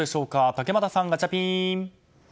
竹俣さん、ガチャピン！